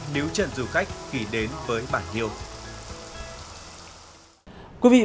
lần đầu tiên